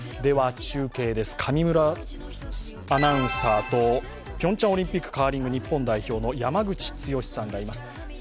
中継です、上村アナウンサーとピョンチャンオリンピックカーリング日本代表の山口剛史さんがいます。